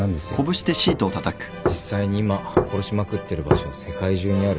実際に今殺しまくってる場所は世界中にある。